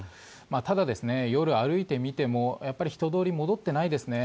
ただ、夜歩いてみても人通り、戻ってないですね。